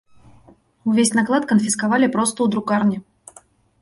Увесь наклад канфіскавалі проста ў друкарні.